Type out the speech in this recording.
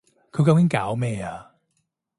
佢究竟搞咩啊？